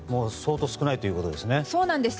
相当少ないということですね。